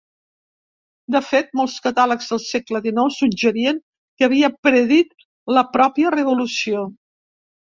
De fet, molts catàlegs del segle XIX suggerien que havia predit la pròpia Revolució.